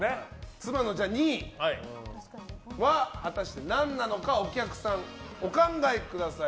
妻の２位は果たして何なのかお客さん、お考えください。